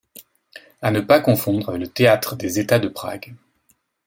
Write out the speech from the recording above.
A ne pas confondre avec le Théâtre des états de Prague.